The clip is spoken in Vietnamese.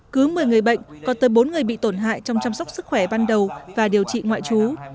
cứ một mươi người bệnh có tới bốn người bị tổn hại trong chăm sóc sức khỏe ban đầu và điều trị ngoại trú